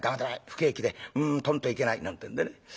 不景気でとんといけない」なんてんでね。